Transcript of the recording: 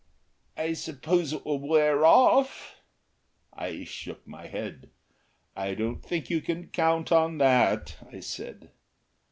"I suppose it will wear off?" I shook my head. "I don't think you can count on that," I said.